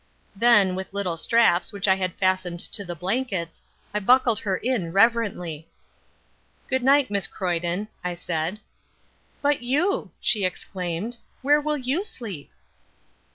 Then, with little straps which I had fastened to the blankets, I buckled her in reverently. "Good night, Miss Croyden," I said. "But you," she exclaimed, "where will you sleep?"